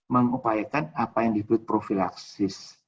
mengupayakan apa yang disebut profilaksis